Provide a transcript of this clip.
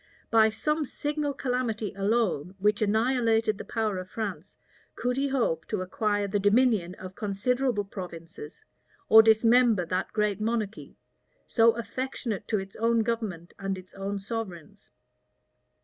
By some signal calamity alone, which annihilated the power of France, could he hope to acquire the dominion of considerable provinces, or dismember that great monarchy, so affectionate to its own government and its own sovereigns.